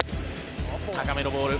高めのボール。